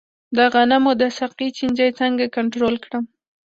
د غنمو د ساقې چینجی څنګه کنټرول کړم؟